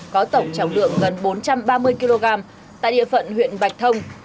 có tổng trọng lượng gần bốn trăm ba mươi kg tại địa phận huyện bạch thông